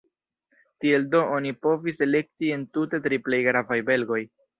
Tiel do oni povis elekti entute tri plej gravaj belgoj.